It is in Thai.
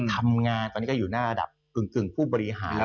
ทำงานตอนนี้ก็อยู่หน้าระดับกึ่งผู้บริหารแล้ว